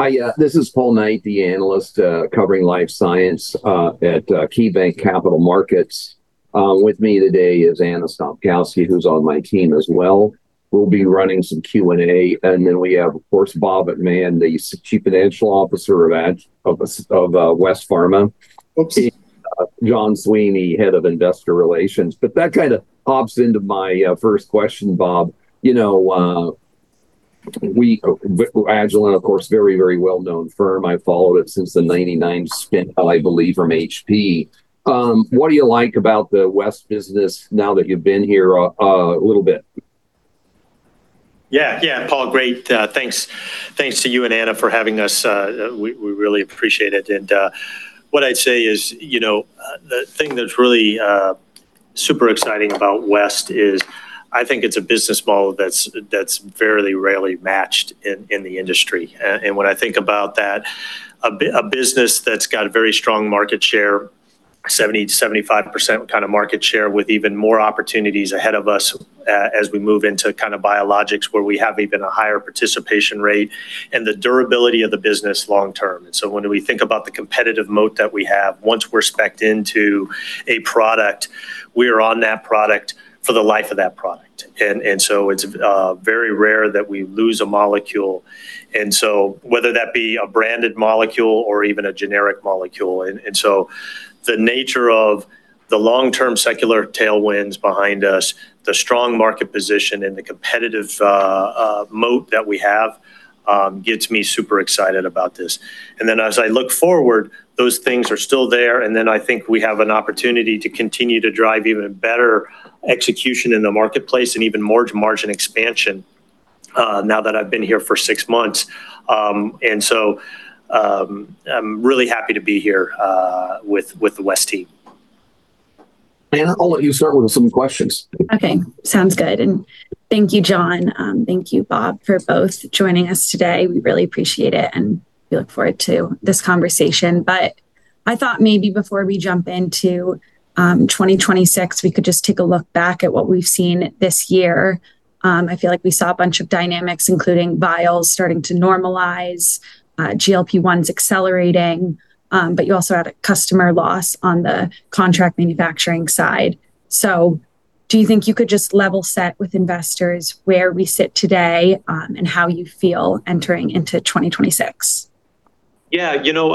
Hi, this is Paul Knight, the analyst covering life science at KeyBanc Capital Markets. With me today is Anna Stopkowski, who's on my team as well. We'll be running some Q&A. Then we have, of course, Bob McMahon, the Chief Financial Officer of West Pharma. Oopsie. John Sweeney, Head of Investor Relations. That kind of hops into my first question, Bob. You know, Agilent, of course, very, very well-known firm. I've followed it since the 1999 spin, I believe, from HP. What do you like about the West business now that you've been here a little bit? Yeah, yeah, Paul. Great. Thanks to you and Anna for having us. We really appreciate it. What I'd say is, you know, the thing that's really super exciting about West is I think it's a business model that's fairly rarely matched in the industry. And when I think about that, a business that's got a very strong market share, 70%-75% kind of market share, with even more opportunities ahead of us as we move into kind of biologics where we have even a higher participation rate, and the durability of the business long term. When we think about the competitive moat that we have, once we're specced into a product, we are on that product for the life of that product. It's very rare that we lose a molecule, whether that be a branded molecule or even a generic molecule. The nature of the long-term secular tailwinds behind us, the strong market position and the competitive moat that we have gets me super excited about this. As I look forward, those things are still there. I think we have an opportunity to continue to drive even better execution in the marketplace and even more margin expansion now that I've been here for six months. I'm really happy to be here with the West team. Anna, I'll let you start with some questions. Okay. Sounds good. Thank you, John, thank you, Bob, for both joining us today. We really appreciate it, and we look forward to this conversation. I thought maybe before we jump into 2026, we could just take a look back at what we've seen this year. I feel like we saw a bunch of dynamics, including vials starting to normalize, GLP-1s accelerating, but you also had a customer loss on the contract manufacturing side. Do you think you could just level set with investors where we sit today, and how you feel entering into 2026? Yeah. You know,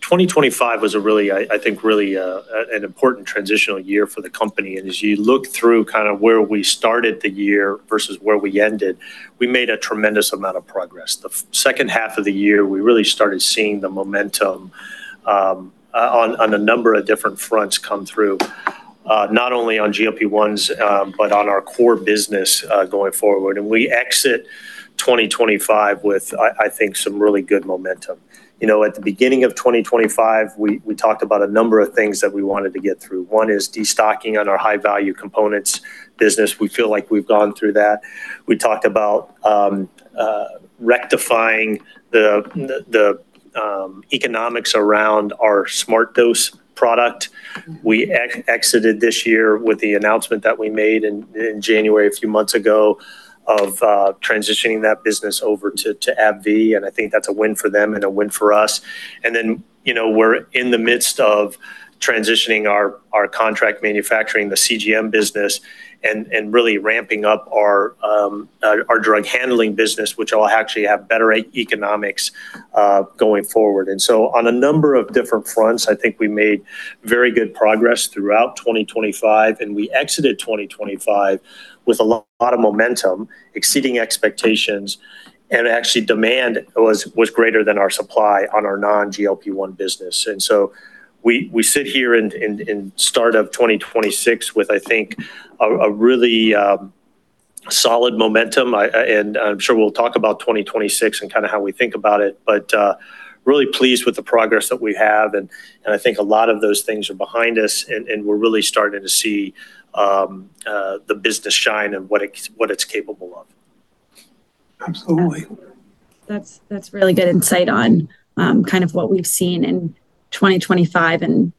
2025 was a really, I think, really an important transitional year for the company. As you look through kind of where we started the year versus where we ended, we made a tremendous amount of progress. The second half of the year, we really started seeing the momentum on a number of different fronts come through, not only on GLP-1s, but on our core business going forward. We exit 2025 with, I think, some really good momentum. You know, at the beginning of 2025, we talked about a number of things that we wanted to get through. One is destocking on our High-Value Components business. We feel like we've gone through that. We talked about rectifying the economics around our SmartDose product. We exited this year with the announcement that we made in January, a few months ago, of transitioning that business over to AbbVie, and I think that's a win for them and a win for us. You know, we're in the midst of transitioning our contract manufacturing, the CGM business, and really ramping up our drug handling business, which will actually have better economics going forward. On a number of different fronts, I think we made very good progress throughout 2025, and we exited 2025 with a lot of momentum, exceeding expectations. Actually, demand was greater than our supply on our non-GLP-1 business. We sit here at the start of 2026 with, I think, a really solid momentum. I'm sure we'll talk about 2026 and kinda how we think about it, but really pleased with the progress that we have. I think a lot of those things are behind us, and we're really starting to see the business shine and what it's capable of. Absolutely. That's really good insight on kind of what we've seen in 2025, and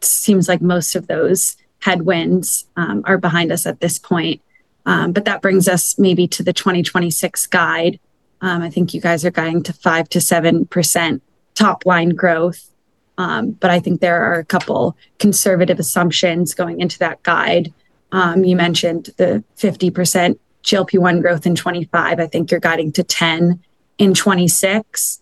seems like most of those headwinds are behind us at this point. That brings us maybe to the 2026 guide. I think you guys are guiding to 5%-7% top line growth, but I think there are a couple conservative assumptions going into that guide. You mentioned the 50% GLP-1 growth in 2025. I think you're guiding to 10% in 2026.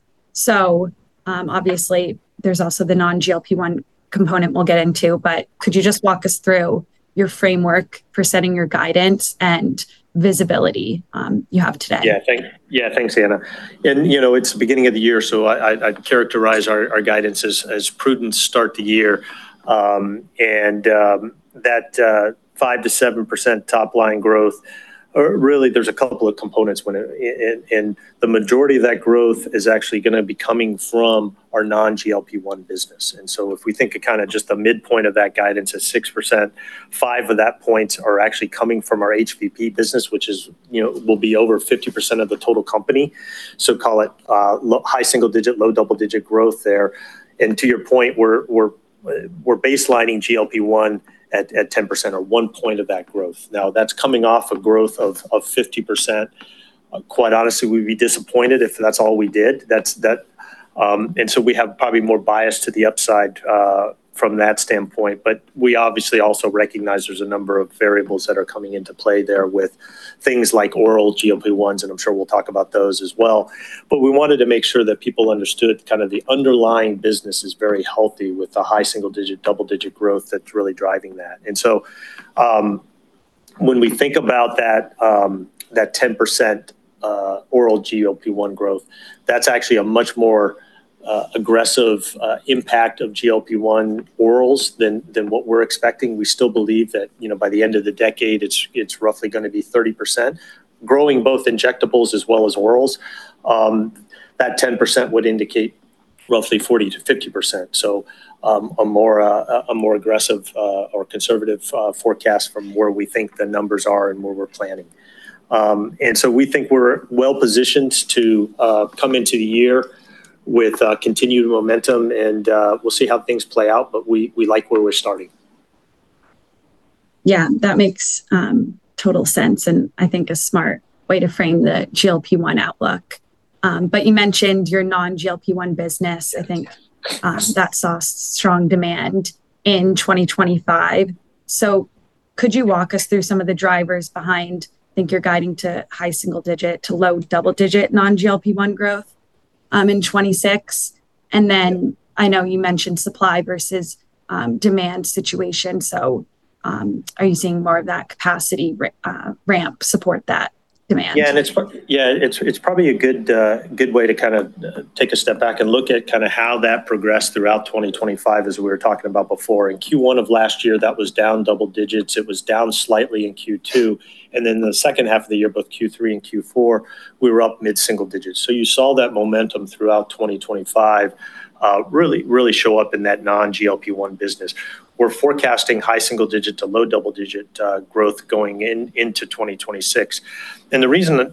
Obviously there's also the non-GLP-1 component we'll get into, but could you just walk us through your framework for setting your guidance and visibility you have today? Yeah. Thanks, Anna. You know, it's the beginning of the year, so I'd characterize our guidance as a prudent start to year. That five to seven percent top line growth really there's a couple of components and the majority of that growth is actually gonna be coming from our non-GLP-1 business. If we think of just the midpoint of that guidance as 6%, 5 of that points are actually coming from our HVP business, which will be over 50% of the total company. Call it high single digit, low double digit growth there. To your point, we're baselining GLP-1 at 10% or 1 point of that growth. Now, that's coming off a growth of 50%. Quite honestly, we'd be disappointed if that's all we did. That we have probably more bias to the upside, from that standpoint. We obviously also recognize there's a number of variables that are coming into play there with things like oral GLP-1s, and I'm sure we'll talk about those as well. We wanted to make sure that people understood kind of the underlying business is very healthy with the high single-digit, double-digit growth that's really driving that. When we think about that 10% oral GLP-1 growth, that's actually a much more aggressive impact of GLP-1 orals than what we're expecting. We still believe that, you know, by the end of the decade, it's roughly gonna be 30%. Growing both injectables as well as orals, that 10% would indicate roughly 40%-50%. A more aggressive or conservative forecast from where we think the numbers are and where we're planning. We think we're well-positioned to come into the year with continued momentum and we'll see how things play out, but we like where we're starting. Yeah, that makes total sense and I think a smart way to frame the GLP-1 outlook. You mentioned your non-GLP-1 business. Yeah. I think that saw strong demand in 2025. Could you walk us through some of the drivers behind. I think you're guiding to high single-digit to low double-digit non-GLP-1 growth in 2026. I know you mentioned supply versus demand situation. Are you seeing more of that capacity ramp support that demand? It's probably a good way to kind of take a step back and look at kind of how that progressed throughout 2025 as we were talking about before. In Q1 of last year, that was down double digits. It was down slightly in Q2. Then the second half of the year, both Q3 and Q4, we were up mid-single digits. You saw that momentum throughout 2025 really show up in that non-GLP-1 business. We're forecasting high single digit to low double digit growth going into 2026. The reason that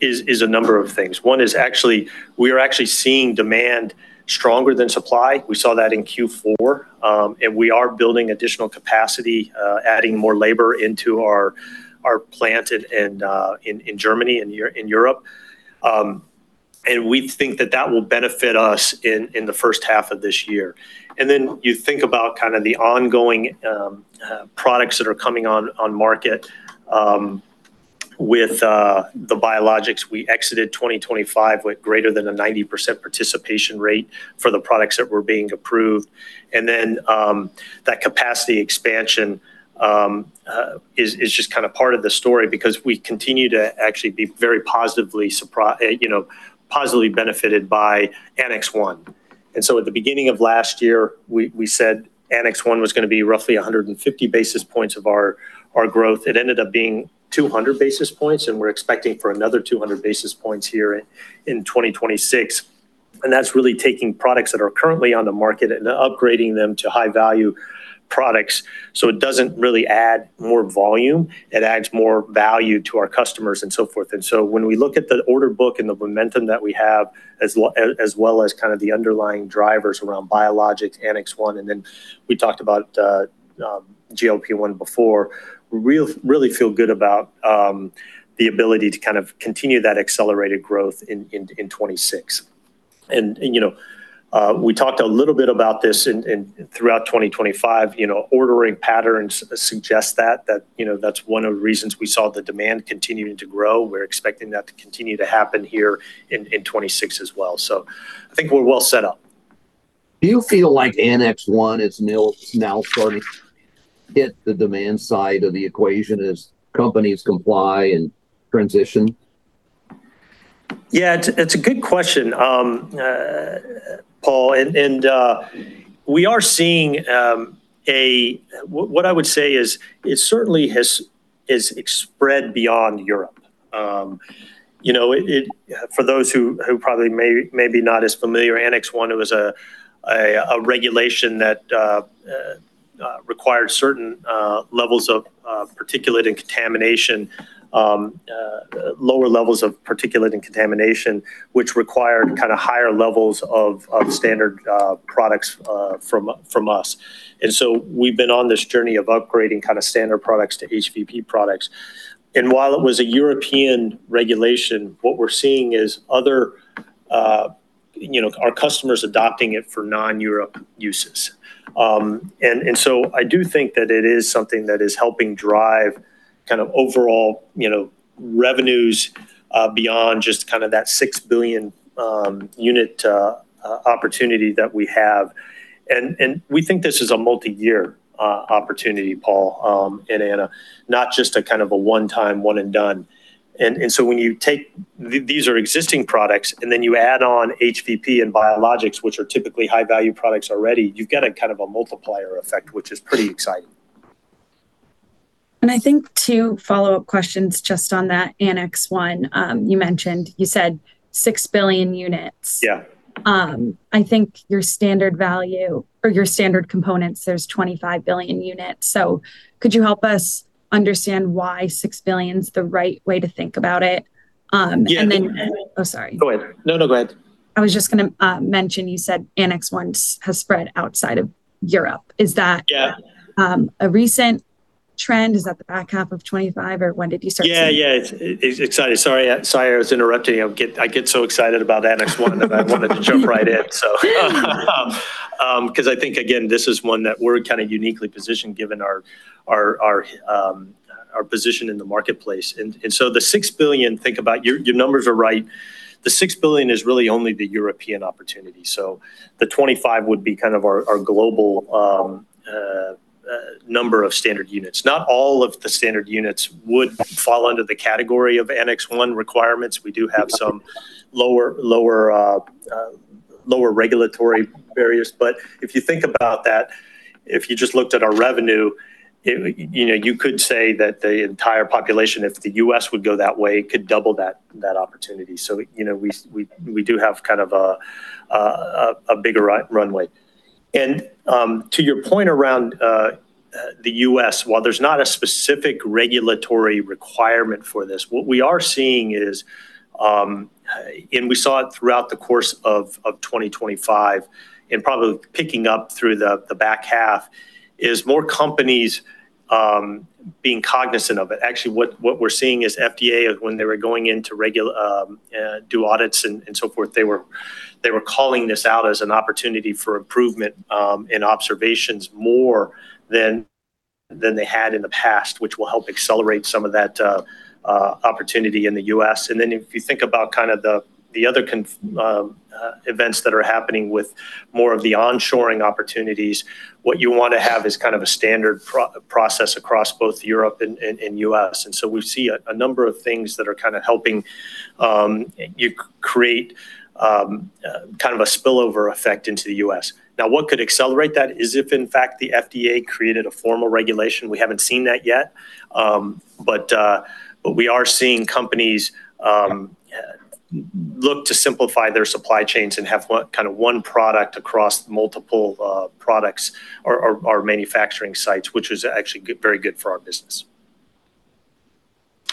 is a number of things. One is actually we are actually seeing demand stronger than supply. We saw that in Q4. We are building additional capacity, adding more labor into our plant in Germany, in Europe. We think that will benefit us in the first half of this year. Then you think about kinda the ongoing products that are coming on market with the biologics. We exited 2025 with greater than a 90% participation rate for the products that were being approved. Then that capacity expansion is just kinda part of the story because we continue to actually be very positively you know, positively benefited by Annex 1. So at the beginning of last year, we said Annex 1 was gonna be roughly 150 basis points of our growth. It ended up being 200 basis points, and we're expecting for another 200 basis points here in 2026. That's really taking products that are currently on the market and upgrading them to high-value products. It doesn't really add more volume, it adds more value to our customers and so forth. When we look at the order book and the momentum that we have, as well as kind of the underlying drivers around biologics, Annex 1, and then we talked about GLP-1 before, we really feel good about the ability to kind of continue that accelerated growth in 2026. You know, we talked a little bit about this throughout 2025. You know, ordering patterns suggest that you know, that's one of the reasons we saw the demand continuing to grow. We're expecting that to continue to happen here in 2026 as well. I think we're well set up. Do you feel like Annex 1 is now starting to hit the demand side of the equation as companies comply and transition? Yeah, it's a good question, Paul. We are seeing what I would say is it certainly has spread beyond Europe. You know, for those who probably may be not as familiar, Annex 1, it was a regulation that required lower levels of particulate and contamination, which required kind of higher levels of Standard Products from us. We've been on this journey of upgrading kind of Standard Products to HVP products. While it was a European regulation, what we're seeing is other, you know, our customers adopting it for non-Europe uses. I do think that it is something that is helping drive kind of overall, you know, revenues beyond just kind of that 6 billion unit opportunity that we have. We think this is a multiyear opportunity, Paul and Anna, not just a kind of a one-time, one-and-done. These are existing products, and then you add on HVP and biologics, which are typically high-value products already. You get a kind of a multiplier effect, which is pretty exciting. I think two follow-up questions just on that Annex 1, you mentioned. You said 6 billion units. Yeah. I think your Standard Products or your standard components, there's 25 billion units. Could you help us understand why 6 billion's the right way to think about it? Yeah. Oh, sorry. Go ahead. No, no, go ahead. I was just gonna mention you said Annex 1 has spread outside of Europe. Is that? Yeah A recent trend? Is that the back half of 2025, or when did you start seeing it? Yeah. It's exciting. Sorry I was interrupting you. I get so excited about Annex 1 that I wanted to jump right in. 'Cause I think again, this is one that we're kinda uniquely positioned given our position in the marketplace. The 6 billion, think about. Your numbers are right. The 6 billion is really only the European opportunity. The 25 would be kind of our global number of standard units. Not all of the standard units would fall under the category of Annex 1 requirements. We do have some lower regulatory barriers. If you think about that, if you just looked at our revenue, you know, you could say that the entire population, if the U.S. would go that way, could double that opportunity. You know, we do have kind of a bigger runway. To your point around the U.S., while there's not a specific regulatory requirement for this, what we are seeing is, and we saw it throughout the course of 2025, and probably picking up through the back half, is more companies being cognizant of it. Actually, what we're seeing is FDA, when they were going in to do audits and so forth, they were calling this out as an opportunity for improvement and observations more than they had in the past, which will help accelerate some of that opportunity in the U.S. Then if you think about kind of the other events that are happening with more of the onshoring opportunities, what you wanna have is kind of a standard process across both Europe and U.S. We see a number of things that are kinda helping create kind of a spillover effect into the U.S. Now, what could accelerate that is if in fact the FDA created a formal regulation. We haven't seen that yet. We are seeing companies look to simplify their supply chains and have kind of one product across multiple products or manufacturing sites, which is actually very good for our business.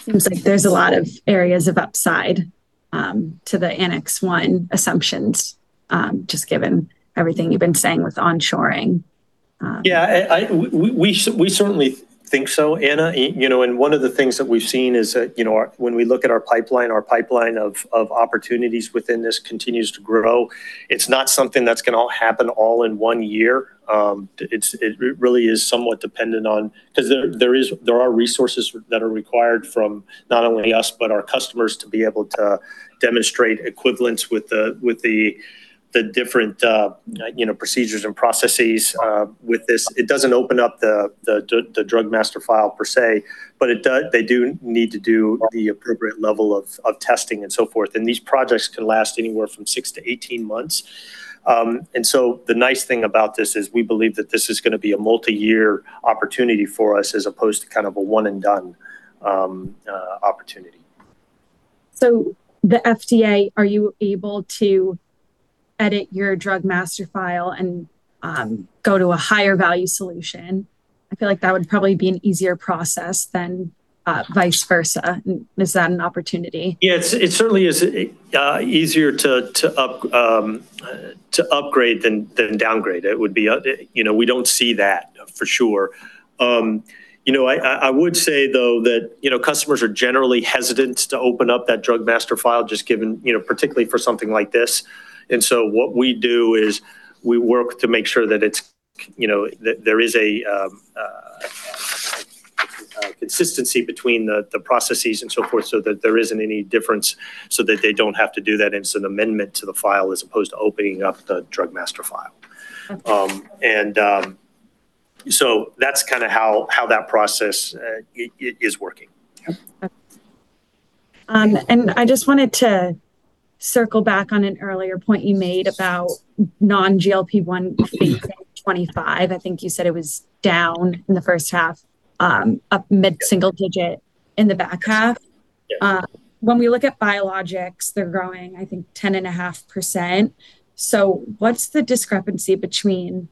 Seems like there's a lot of areas of upside to the Annex 1 assumptions, just given everything you've been saying with onshoring. Yeah, we certainly think so, Anna. You know, one of the things that we've seen is that, you know, when we look at our pipeline of opportunities within this continues to grow. It's not something that's gonna happen all in one year. It really is somewhat dependent on, 'cause there are resources that are required from not only us, but our customers to be able to demonstrate equivalence with the different, you know, procedures and processes with this. It doesn't open up the Drug Master File per se, but they do need to do the appropriate level of testing and so forth. These projects can last anywhere from six to 18 months. The nice thing about this is we believe that this is gonna be a multi-year opportunity for us as opposed to kind of a one and done opportunity. The FDA, are you able to edit your Drug Master File and go to a higher value solution? I feel like that would probably be an easier process than vice versa. Is that an opportunity? Yeah, it's certainly easier to upgrade than downgrade. It would be. You know, we don't see that for sure. You know, I would say, though, that you know, customers are generally hesitant to open up that Drug Master File just given, you know, particularly for something like this. What we do is we work to make sure that it's, you know, that there is a consistency between the processes and so forth so that there isn't any difference so that they don't have to do that. It's an amendment to the file as opposed to opening up the Drug Master File. Okay. That's kinda how that process is working. Yeah. I just wanted to circle back on an earlier point you made about non-GLP-1 things in 2025. I think you said it was down in the first half, up mid-single digit in the back half. Yeah. When we look at biologics, they're growing, I think, 10.5%. What's the discrepancy between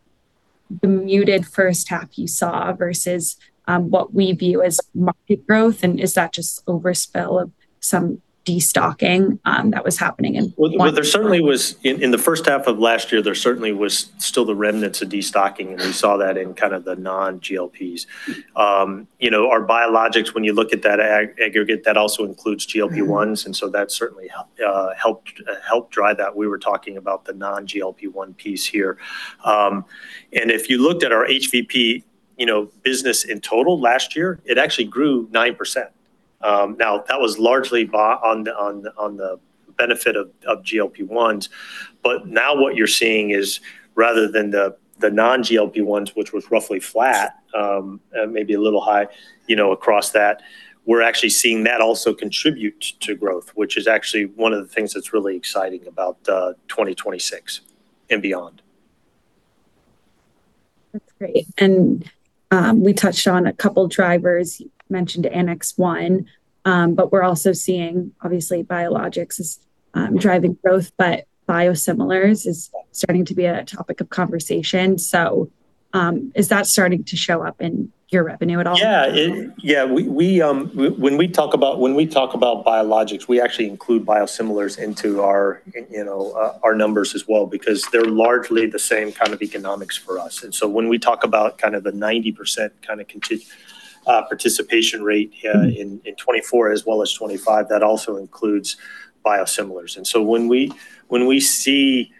the muted first half you saw versus what we view as market growth? Is that just overspill of some destocking that was happening in one- Well, there certainly was the remnants of destocking, and we saw that in kind of the non-GLP-1s. You know, our biologics, when you look at that aggregate, that also includes GLP-1s, and so that certainly helped drive that. We were talking about the non-GLP-1 piece here. If you looked at our HVP, you know, business in total last year, it actually grew 9%. Now, that was largely on the benefit of GLP-1s. Now what you're seeing is rather than the non-GLP-1s, which was roughly flat, maybe a little high, you know, across that, we're actually seeing that also contribute to growth, which is actually one of the things that's really exciting about 2026 and beyond. That's great. We touched on a couple drivers. You mentioned Annex 1, but we're also seeing obviously biologics is driving growth, but biosimilars is starting to be a topic of conversation. Is that starting to show up in your revenue at all? When we talk about biologics, we actually include biosimilars into our you know our numbers as well because they're largely the same kind of economics for us. When we talk about kind of the 90% participation rate in 2024 as well as 2025, that also includes biosimilars. When we see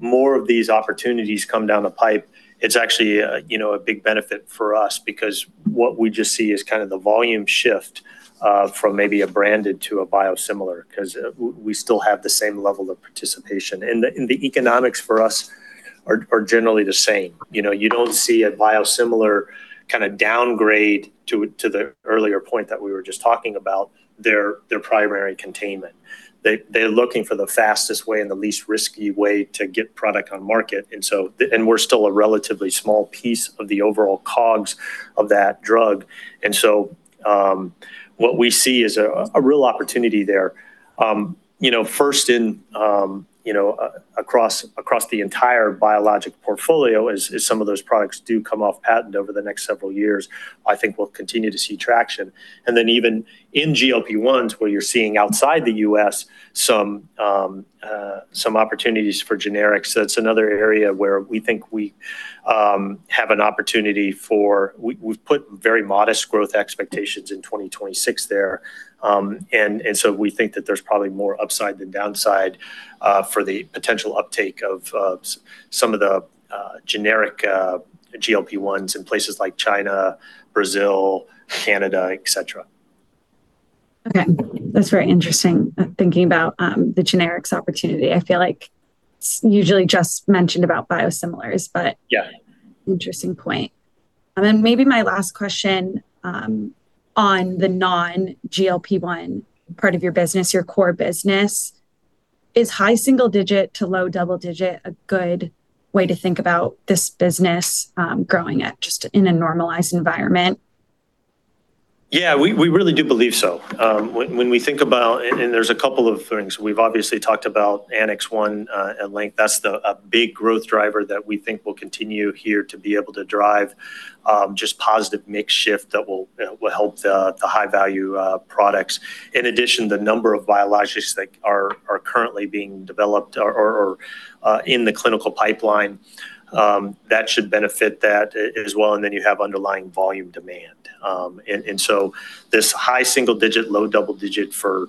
more of these opportunities come down the pipe, it's actually you know a big benefit for us because what we just see is kind of the volume shift from maybe a branded to a biosimilar 'cause we still have the same level of participation. The economics for us are generally the same. You know, you don't see a biosimilar kinda downgrade to the earlier point that we were just talking about, their primary containment. They're looking for the fastest way and the least risky way to get product on market. We're still a relatively small piece of the overall COGS of that drug. What we see is a real opportunity there. You know, first across the entire biologics portfolio as some of those products do come off patent over the next several years, I think we'll continue to see traction. Then even in GLP-1s, where you're seeing outside the U.S. some opportunities for generics, that's another area where we think we have an opportunity. We've put very modest growth expectations in 2026 there. We think that there's probably more upside than downside for the potential uptake of some of the generic GLP-1s in places like China, Brazil, Canada, et cetera. Okay. That's very interesting, thinking about the generics opportunity. I feel like it's usually just mentioned about biosimilars, but. Yeah Interesting point. Then maybe my last question, on the non-GLP-1 part of your business, your core business, is high single-digit to low double-digit a good way to think about this business, growing at just in a normalized environment? Yeah. We really do believe so. When we think about, there's a couple of things. We've obviously talked about Annex 1 at length. That's the big growth driver that we think will continue here to be able to drive just positive mix shift that will help the high value products. In addition, the number of biologics that are currently being developed or in the clinical pipeline that should benefit that as well, and then you have underlying volume demand. This high single digit, low double digit for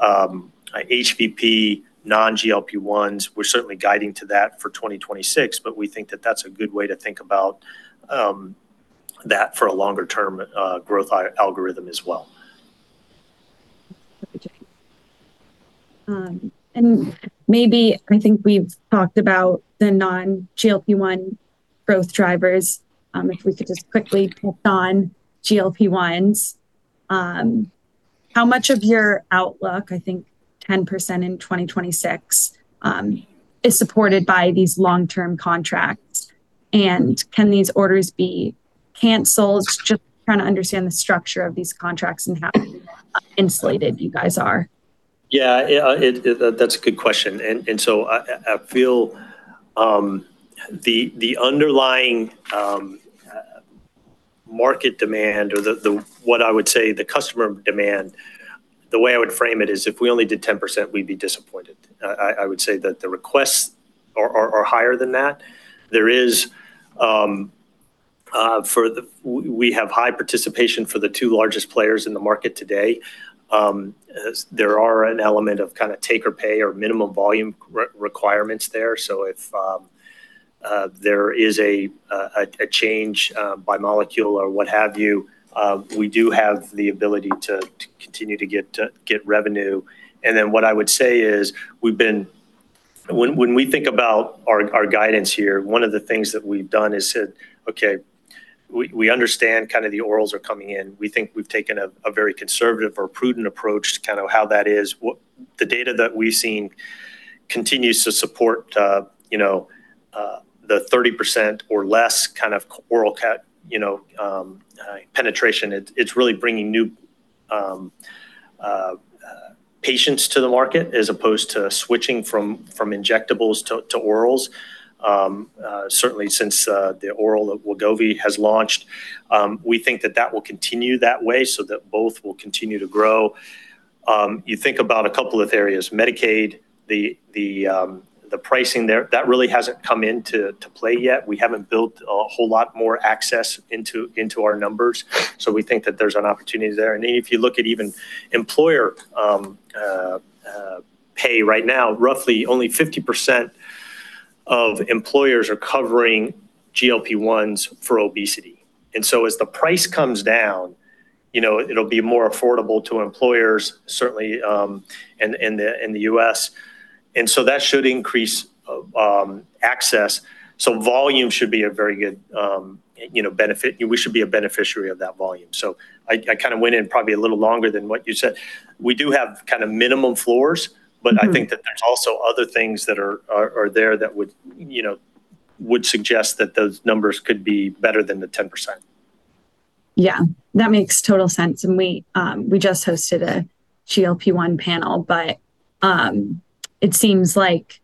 HVP, non-GLP-1s, we're certainly guiding to that for 2026, but we think that's a good way to think about that for a longer term growth algorithm as well. Okay. Maybe I think we've talked about the non-GLP-1 growth drivers. If we could just quickly touch on GLP-1s. How much of your outlook, I think 10% in 2026, is supported by these long-term contracts? Can these orders be canceled? Just trying to understand the structure of these contracts and how insulated you guys are. That's a good question. I feel the underlying market demand or what I would say the customer demand, the way I would frame it is if we only did 10%, we'd be disappointed. I would say that the requests are higher than that. We have high participation for the two largest players in the market today, as there are an element of kind of take or pay or minimum volume requirements there. If there is a change by molecule or what have you, we do have the ability to continue to get revenue. What I would say is we've been When we think about our guidance here, one of the things that we've done is said, "Okay. We understand kinda the orals are coming in." We think we've taken a very conservative or prudent approach to kind of how that is. The data that we've seen continues to support, you know, the 30% or less kind of oral penetration. It's really bringing new patients to the market as opposed to switching from injectables to orals. Certainly since the oral Wegovy has launched, we think that that will continue that way so that both will continue to grow. You think about a couple of areas. Medicaid, the pricing there, that really hasn't come into play yet. We haven't built a whole lot more access into our numbers, so we think that there's an opportunity there. If you look at even employer pay right now, roughly only 50% of employers are covering GLP-1s for obesity. As the price comes down, it'll be more affordable to employers certainly in the US. That should increase access. Volume should be a very good benefit. We should be a beneficiary of that volume. I kinda went in probably a little longer than what you said. We do have kinda minimum floors, but I think that there's also other things that are there that would suggest that those numbers could be better than the 10%. Yeah, that makes total sense. We just hosted a GLP-1 panel. It seems like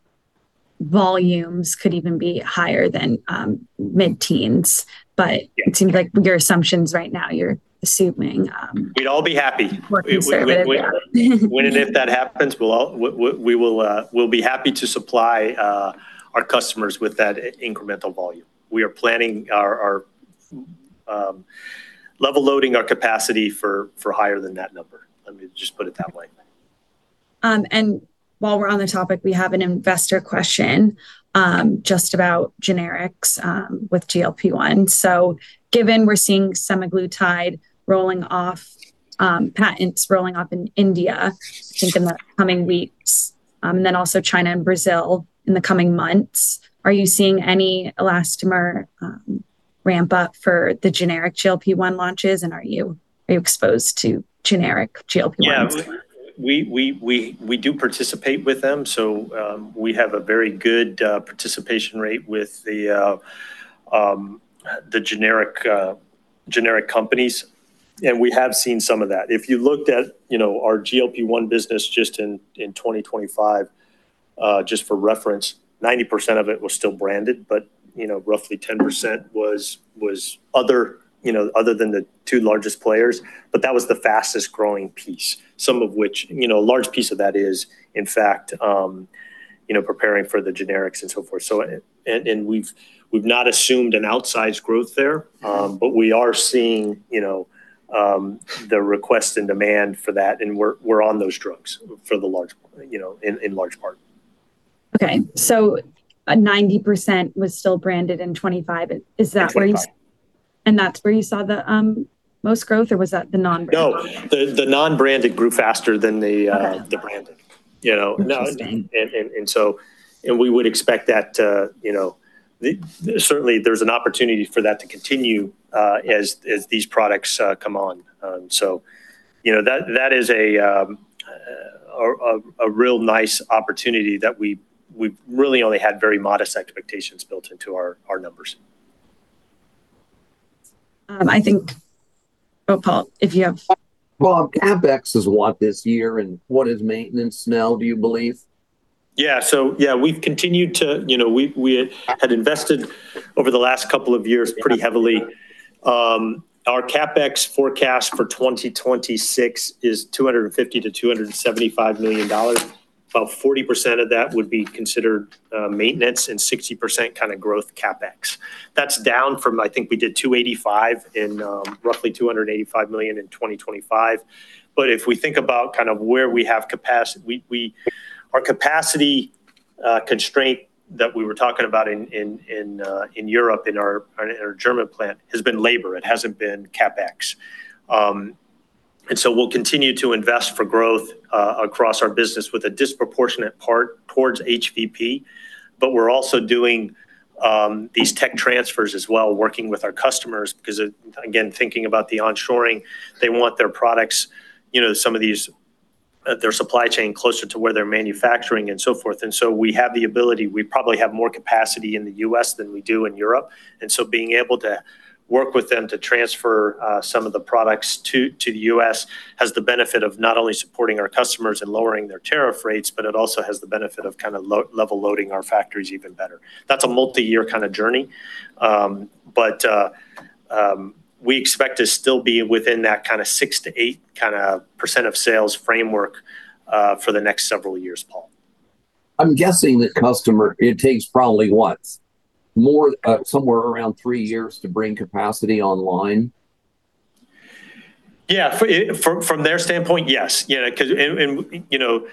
volumes could even be higher than mid-teens. It seems like your assumptions right now, you're assuming. We'd all be happy. more conservative. Yeah. When and if that happens, we will be happy to supply our customers with that incremental volume. We are planning our level loading our capacity for higher than that number. Let me just put it that way. While we're on the topic, we have an investor question just about generics with GLP-1. Given we're seeing semaglutide rolling off, patents rolling off in India, I think in the coming weeks, and then also China and Brazil in the coming months, are you seeing any elastomer ramp up for the generic GLP-1 launches, and are you exposed to generic GLP-1? Yeah. We do participate with them, so we have a very good participation rate with the generic companies, and we have seen some of that. If you looked at, you know, our GLP-1 business just in 2025, just for reference, 90% of it was still branded, but, you know, roughly 10% was other, you know, other than the two largest players, but that was the fastest-growing piece. Some of which, you know, a large piece of that is, in fact, preparing for the generics and so forth. We've not assumed an outsized growth there, but we are seeing, you know, the request and demand for that, and we're on those drugs for the large part, you know, in large part. Okay. 90% was still branded in 2025. Is that where you- In 2025 That's where you saw the most growth, or was that the non-branded? No. The non-branded grew faster than the branded. Okay. Interesting. You know, we would expect that to continue. Certainly, there's an opportunity for that to continue as these products come on. You know, that is a real nice opportunity that we've really only had very modest expectations built into our numbers. Oh, Paul, if you have- Well, CapEx is what this year, and what is maintenance now, do you believe? Yeah. Yeah, we've continued to, you know, we had invested over the last couple of years pretty heavily. Our CapEx forecast for 2026 is $250-$275 million. About 40% of that would be considered maintenance and 60% kind of growth CapEx. That's down from, I think we did 285 in roughly $285 million in 2025. If we think about kind of where we have capacity, our capacity constraint that we were talking about in Europe in our German plant has been labor. It hasn't been CapEx. We'll continue to invest for growth across our business with a disproportionate part towards HVP. We're also doing these tech transfers as well, working with our customers 'cause, again, thinking about the onshoring, they want their products, you know, some of these, their supply chain closer to where they're manufacturing and so forth. We have the ability, we probably have more capacity in the U.S. than we do in Europe. Being able to work with them to transfer some of the products to the U.S. has the benefit of not only supporting our customers and lowering their tariff rates, but it also has the benefit of kinda level loading our factories even better. That's a multi-year kinda journey. We expect to still be within that kinda 6%-8% of sales framework for the next several years, Paul. I'm guessing the customer, it takes probably what? More, somewhere around three years to bring capacity online? Yeah. From their standpoint, yes. You know, 'cause and you know,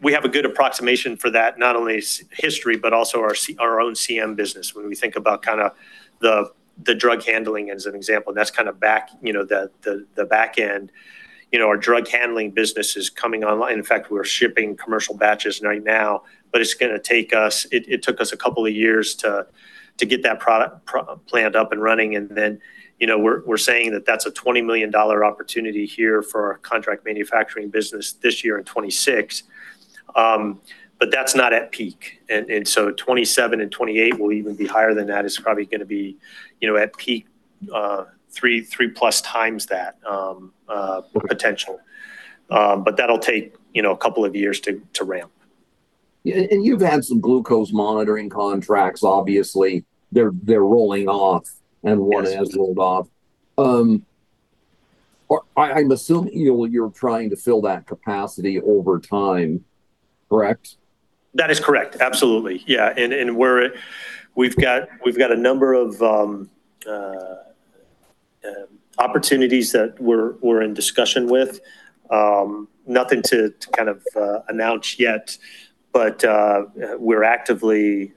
we have a good approximation for that, not only history, but also our own CM business when we think about kinda the drug handling as an example. That's kinda back, you know, the back end. You know, our drug handling business is coming online. In fact, we're shipping commercial batches right now, but it took us a couple of years to get that plant up and running, and then, you know, we're saying that that's a $20 million opportunity here for our contract manufacturing business this year in 2026. That's not at peak. So 2027 and 2028 will even be higher than that. It's probably gonna be, you know, at peak, 3+ times that potential. That'll take, you know, a couple of years to ramp. Yeah. You've had some glucose monitoring contracts, obviously. They're rolling off, and one has rolled off. Or I'm assuming you're trying to fill that capacity over time, correct? That is correct. Absolutely. Yeah. We've got a number of opportunities that we're in discussion with. Nothing to kind of announce yet, but we're actively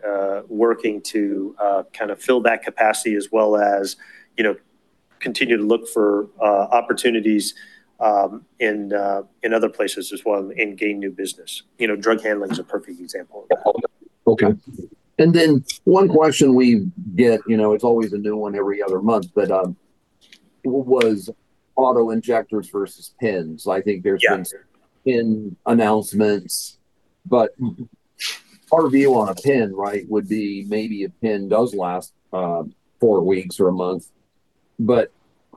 working to kinda fill that capacity as well as, you know, continue to look for opportunities in other places as well and gain new business. You know, drug handling is a perfect example of that. Okay. One question we get, you know, it's always a new one every other month, but it was auto-injectors versus pens. Yeah. I think there's been pen announcements, but our view on a pen, right, would be maybe a pen does last four weeks or a month, but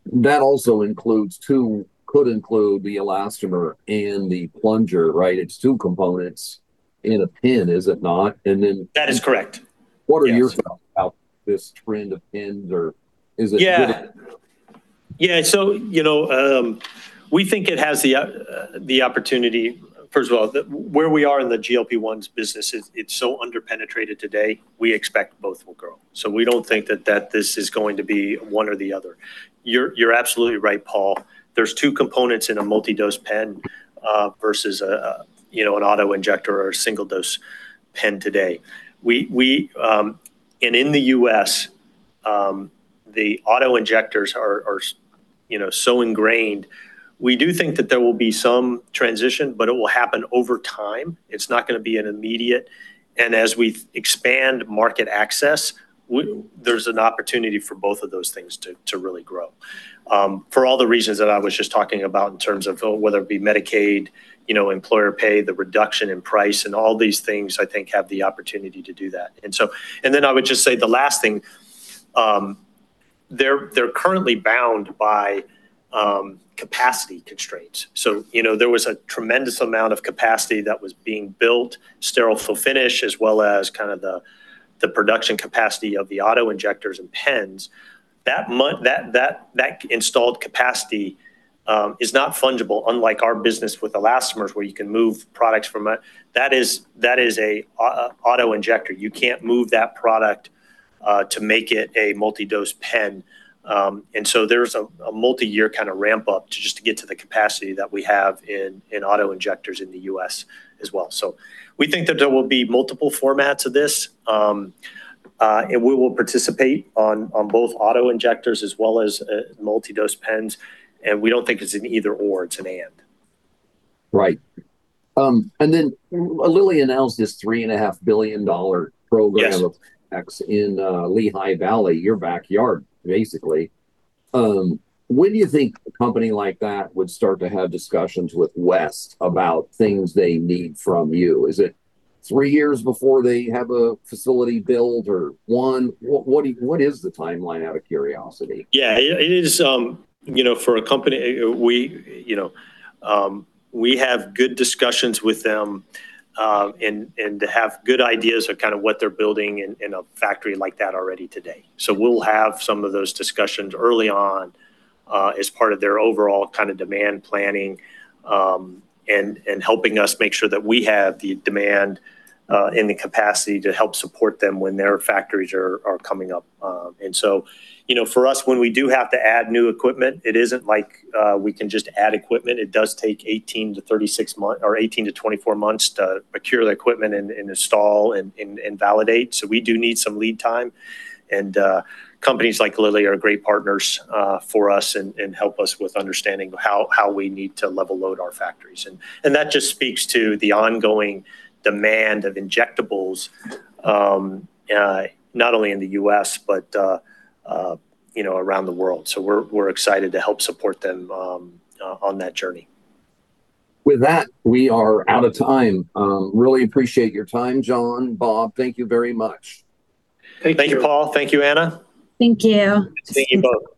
that also could include the elastomer and the plunger, right? It's two components in a pen, is it not? Then- That is correct. Yes. What are your thoughts about this trend of pens or is it good? Yeah. We think it has the opportunity, first of all, where we are in the GLP-1s business, it's so under-penetrated today. We expect both will grow. We don't think that this is going to be one or the other. You're absolutely right, Paul. There's two components in a multi-dose pen versus an auto-injector or a single-dose pen today. In the U.S., the auto-injectors are so ingrained. We do think that there will be some transition, but it will happen over time. It's not gonna be an immediate. As we expand market access, there's an opportunity for both of those things to really grow, for all the reasons that I was just talking about in terms of whether it be Medicaid, you know, employer pay, the reduction in price, and all these things, I think, have the opportunity to do that. Then I would just say the last thing, they're currently bound by capacity constraints. You know, there was a tremendous amount of capacity that was being built, sterile fill finish, as well as kinda the production capacity of the auto-injectors and pens. That installed capacity is not fungible, unlike our business with elastomers where you can move products from a. That is a auto-injector. You can't move that product to make it a multi-dose pen. There's a multi-year kinda ramp up to just get to the capacity that we have in auto-injectors in the U.S. as well. We think that there will be multiple formats of this, and we will participate on both auto-injectors as well as multi-dose pens, and we don't think it's an either/or, it's an and. Right. Lilly announced this $3.5 billion program. Yes... of X in Lehigh Valley, your backyard, basically. When do you think a company like that would start to have discussions with West about things they need from you? Is it three years before they have a facility build or one? What is the timeline, out of curiosity? Yeah. It is, you know, for a company, we, you know, we have good discussions with them, and have good ideas of kinda what they're building in a factory like that already today. We'll have some of those discussions early on, as part of their overall kinda demand planning, and helping us make sure that we have the demand, and the capacity to help support them when their factories are coming up. You know, for us, when we do have to add new equipment, it isn't like we can just add equipment. It does take 18-36 months or 18-24 months to procure the equipment and install and validate. We do need some lead time. Companies like Lilly are great partners for us and help us with understanding how we need to level load our factories. That just speaks to the ongoing demand of injectables, you know, around the world. We're excited to help support them on that journey. With that, we are out of time. Really appreciate your time, John, Bob. Thank you very much. Thank you. Thank you, Paul. Thank you, Anna. Thank you. Thank you both.